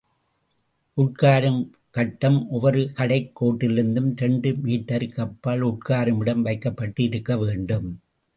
உட்காரும் கட்டம் ஒவ்வொரு கடைக் கோட்டிலிருந்தும் இரண்டு மீட்டருக்கு அப்பால் உட்காரும் இடம் வைக்கப்பட்டு இருக்க வேண்டும்.